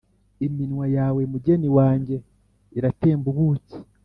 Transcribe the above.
Iminwa yawe, mugeni wanjye, iratemba ubuki,